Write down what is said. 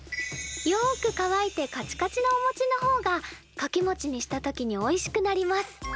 よくかわいてカチカチのお餅の方がかきもちにした時においしくなります。